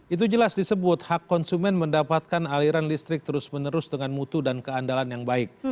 itu jelas disebut hak konsumen mendapatkan aliran listrik terus menerus dengan mutu dan keandalan yang baik